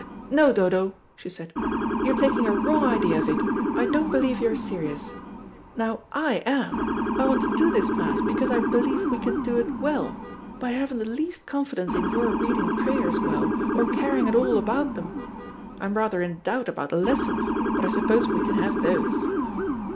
"No, Dodo," she said, "you're taking a wrong idea of it. I don't believe you're serious. Now I am. I want to do this Mass because I believe we can do it well, but I haven't the least confidence in your reading prayers well, or caring at all about them. I am rather in doubt about the lessons, but I suppose we can have those."